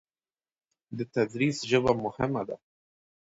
د تدریس ژبه مهمه ده.